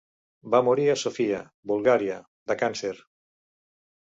Va morir a Sofia, Bulgària, de càncer.